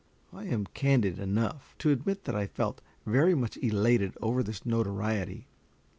I am candid enough to admit that I felt very much elated over this notoriety.